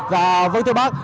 và với thưa bác